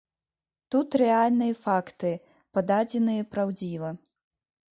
Тут рэальныя факты, пададзеныя праўдзіва.